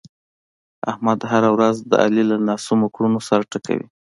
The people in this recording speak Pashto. احمد هره ورځ د علي له ناسمو کړنو سر ټکوي.